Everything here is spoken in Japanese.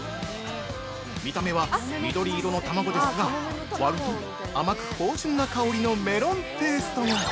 見た目は緑色のたまごですが、割ると、甘く芳醇な香りのメロンペーストが。